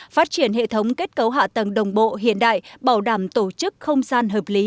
phát triển hệ thống kết cấu hạ tầng đồng bộ hiện đại bảo đảm tổ chức không gian hợp lý